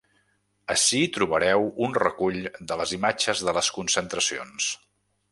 Ací trobareu un recull de les imatges de les concentracions.